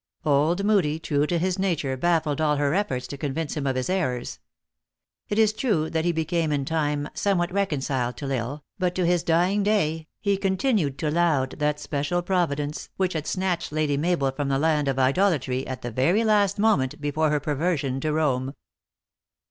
Old Moodie, true to his nature, baffled all her efforts to convince him of his errors. It is true that he be came in time, somewhat reconciled to L Isle, but to his dying day he continued to laud that special provi dence, which had snatched Lady Mabel from the land of idolatry, at the very last moment before her per version to Rome.